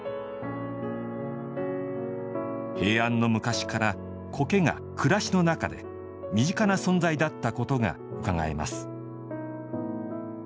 平安の昔から、苔が暮らしの中で身近な存在だったことがうかがえます。